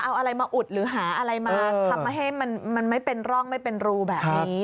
มาให้มันไม่เป็นร่องไม่เป็นรูแบบนี้